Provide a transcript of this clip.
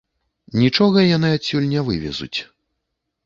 Нічога яны адсюль не вывезуць.